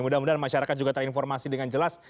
mudah mudahan masyarakat juga terinformasi dengan jelas